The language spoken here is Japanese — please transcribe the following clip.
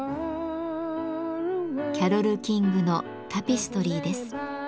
キャロル・キングの「タペストリー」です。